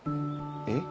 えっ？